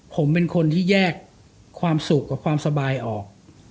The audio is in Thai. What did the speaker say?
ผมเป็นคนที่แยกความสุขกับความสบายออก